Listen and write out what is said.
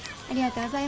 ありがとう。